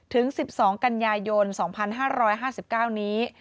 ถึง๑๒กันยายน๒๕๕๙นี้